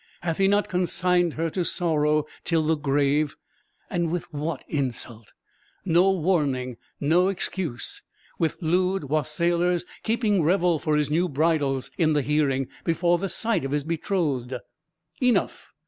Hath he not consigned her to sorrow till the grave? And with what insult! no warning, no excuse; with lewd wassailers keeping revel for his new bridals in the hearing before the sight of his betrothed! Enough!